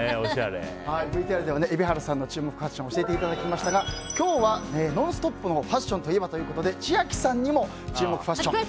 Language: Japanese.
ＶＴＲでは蛯原さんの注目ファッションを教えていただきましたが今日は「ノンストップ！」のファッションといえばということで千秋さんにも注目ファッション。